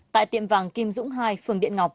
tại tiệm vàng kim dũng hai phường điện ngọc